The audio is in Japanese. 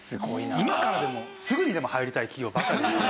今からでもすぐにでも入りたい企業ばかりですね。